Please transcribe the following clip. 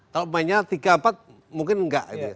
kalau pemainnya tiga empat mungkin enggak